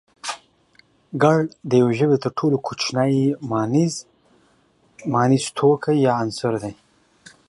گړ د يوې ژبې تر ټولو کوچنی مانيز توکی يا عنصر دی